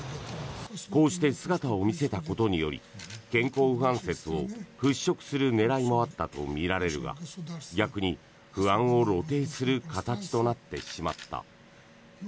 こうして姿を見せたことにより健康不安説を払しょくする狙いもあったとみられるが逆に、不安を露呈する形となってしまった。